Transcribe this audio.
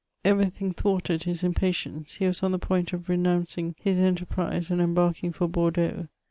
Every thing thwarted his impatience; he was on the point of renouncing his enterprise and embarking for Bordeaux.